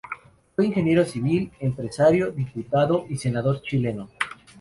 Fue ingeniero civil, empresario, diputado y senador chileno.